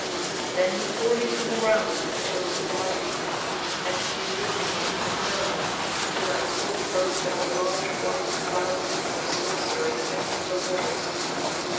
Then he tore me from the ground which closed under my feet and flew with me into the firmament till I saw the earth as a large white cloud or a saucer[FN#225] in the midst of the waters.